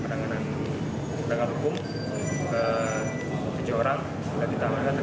sementara itu juga didukung perkuatan dari polis asal